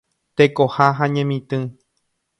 Tekoha ha Ñemitỹ.